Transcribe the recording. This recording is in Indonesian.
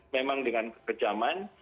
memang dengan kekejaman